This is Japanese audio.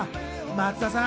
松田さん